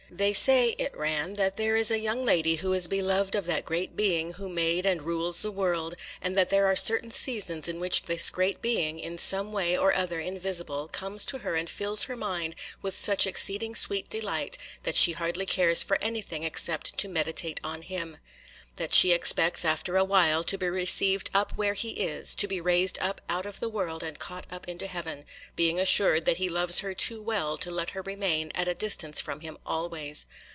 'They say,' it ran, 'that there is a young lady who is beloved of that Great Being who made and rules the world, and that there are certain seasons in which this Great Being, in some way or other invisible, comes to her and fills her mind with such exceeding sweet delight, that she hardly cares for anything except to meditate on Him; that she expects, after a while, to be received up where He is, to be raised up out of the world and caught up into heaven, being assured that He loves her too well to let her remain at a distance from Him always.